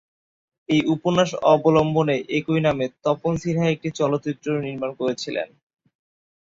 এই উপন্যাস অবলম্বনে একই নামে তপন সিনহা একটি চলচ্চিত্রও নির্মাণ করেছিলেন।